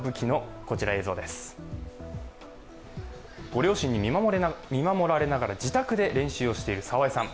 ご両親に見守られながら自宅で練習している澤井さん。